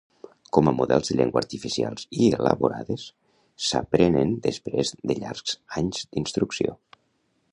Com a models de llengua artificials i elaborades, s'aprenen després de llargs anys d'instrucció.